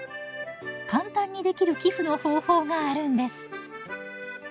簡単にできる寄付の方法があるんです。